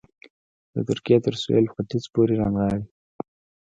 د ترکیې تر سوېل ختیځ پورې رانغاړي.